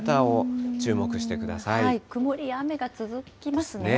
曇りや雨が続きますね。